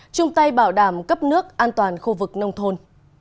chung tay bảo đảm cấp nước an toàn khu vực nông thôn